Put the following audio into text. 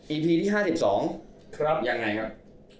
อีพีที่๕๒ยังไงครับ